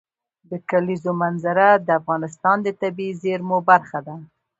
د کلیزو منظره د افغانستان د طبیعي زیرمو برخه ده.